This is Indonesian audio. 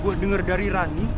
gue denger dari rani